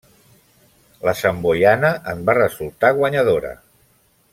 La Santboiana en va resultar guanyadora.